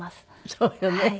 そうよね。